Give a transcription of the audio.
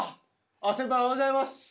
あ先輩おはようございます。